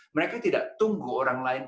mereka tidak tunggu orang lain